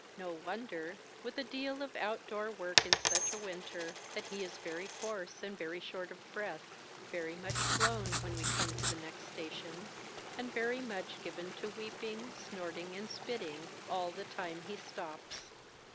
No wonder, with a deal of out door work in such a winter, that he is very hoarse and very short of breath, very much blown when we come to the next station, and very much given to weeping, snorting and spitting, all the time he stops